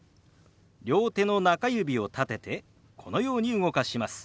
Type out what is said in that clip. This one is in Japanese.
両手の中指を立ててこのように動かします。